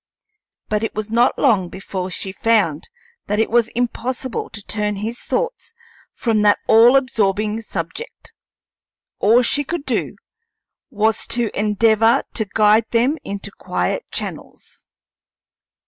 But it was not long before she found that it was impossible to turn his thoughts from that all absorbing subject. All she could do was to endeavor to guide them into quiet channels.